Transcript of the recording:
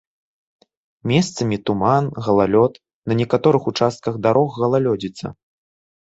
Месцамі туман, галалёд, на некаторых участках дарог галалёдзіца.